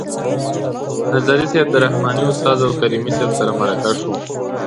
نظري صیب د رحماني استاد او کریمي صیب سره مرکه شو.